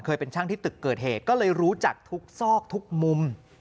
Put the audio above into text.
ช่างที่ตึกเกิดเหตุก็เลยรู้จักทุกซอกทุกมุม